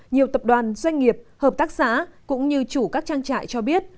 nhiều tập đoàn doanh nghiệp hợp tác xã cũng như chủ các trang trại cho biết